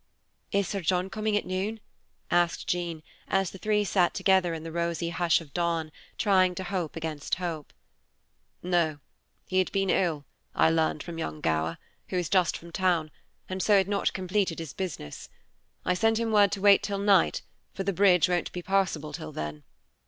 "Is Sir John coming at noon?" asked Jean, as the three sat together in the rosy hush of dawn, trying to hope against hope. "No, he had been ill, I learned from young Gower, who is just from town, and so had not completed his business. I sent him word to wait till night, for the bridge won't be passable till then.